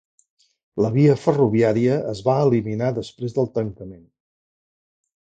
La via ferroviària es va eliminar després del tancament.